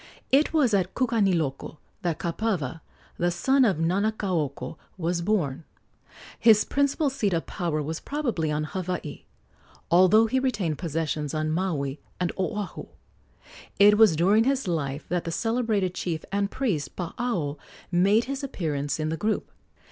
It was at Kukaniloko that Kapawa, the son of Nanakaoko, was born. His principal seat of power was probably on Hawaii, although he retained possessions on Maui and Oahu. It was during his life that the celebrated chief and priest Paao made his appearance in the group.